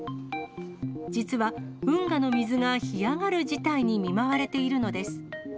実は、運河の水が干上がる事態に見舞われているのです。